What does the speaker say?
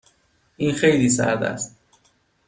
این خیلی سرد است.